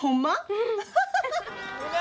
うん！